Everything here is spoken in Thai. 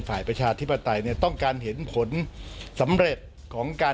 ประชาธิปไตยเนี่ยต้องการเห็นผลสำเร็จของการ